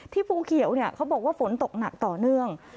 ที่ภูเขียวเขาบอกว่าฝนตกหนักต่อเนื่อง